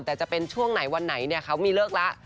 แต่จะเป็นช่วงไหนวันไหนเนี่ยเขามีเลิกแล้ว